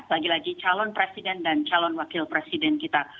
lagi lagi calon presiden dan calon wakil presiden kita